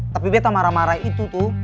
tapi beta marah marah itu tuh